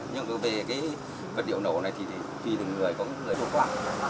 nhưng mà về cái vật liệu nổ này thì tùy từng người có người đều có